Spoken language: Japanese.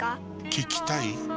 聞きたい？